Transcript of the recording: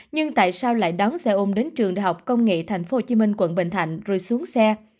nhưng tại sao lại đón xe ôm đến trường đại học công nghệ thành phố hồ chí minh quận bình thạnh rồi xuống xe